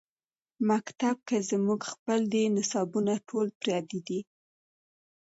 مکتب کۀ زمونږ خپل دے نصابونه ټول پردي دي